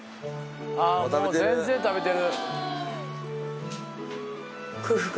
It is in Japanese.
もう全然食べてる。